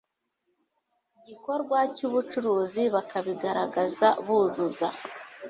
gikorwa cy ubucuruzi bakabigaragaza buzuza